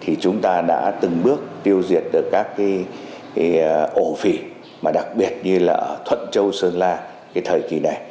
thì chúng ta đã từng bước tiêu diệt được các cái ổ phỉ mà đặc biệt như là ở thuận châu sơn la cái thời kỳ này